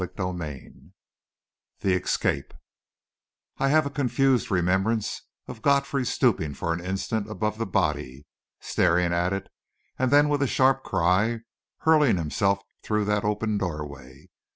CHAPTER XX THE ESCAPE I have a confused remembrance of Godfrey stooping for an instant above the body, staring at it, and then, with a sharp cry, hurling himself through that open doorway.